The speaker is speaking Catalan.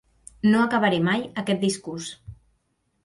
No acabaré mai aquest discurs.